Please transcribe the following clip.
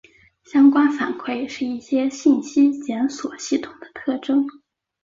相关反馈是一些信息检索系统的特征。